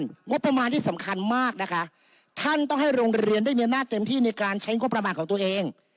งบประมาณที่สำคัญมากนะคะท่านต้องให้โรงเรียนได้มีอำนาจเต็มที่ในการใช้งบประมาณของตัวเอง